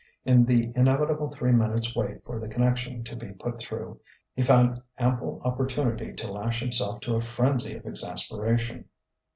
In the inevitable three minutes' wait for the connection to be put through he found ample opportunity to lash himself to a frenzy of exasperation.